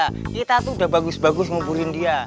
kita tuh udah bagus bagus ngumpulin dia